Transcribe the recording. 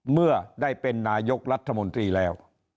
เมื่อได้เป็นนายกรัฐมนตรีแล้ว